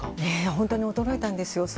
本当に驚いたんですよ。